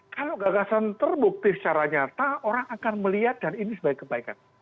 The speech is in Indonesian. kalau gagasan terbukti secara nyata orang akan melihat dan ini sebagai kebaikan